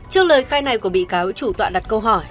trước lời khai này của bị cáo chủ tọa đặt câu hỏi